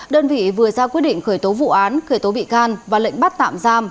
đơn vị vừa ra quyết định khởi tố vụ án khởi tố bị can và lệnh bắt tạm giam